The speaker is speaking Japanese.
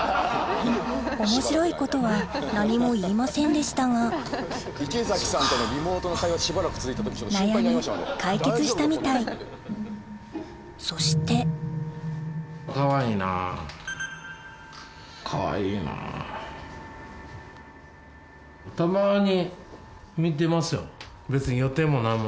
面白いことは何も言いませんでしたが悩み解決したみたいそしてたまに。